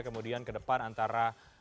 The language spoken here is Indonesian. kemudian kedepan antara